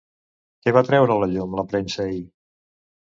Què va treure a la llum la premsa ahir?